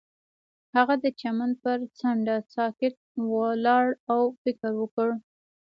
هغه د چمن پر څنډه ساکت ولاړ او فکر وکړ.